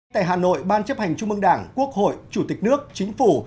tại hà nội ban chấp hành trung mương đảng quốc hội chủ tịch nước chính phủ